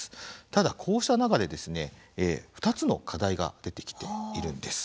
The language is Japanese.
ただこうした中で２つの課題が出てきているんです。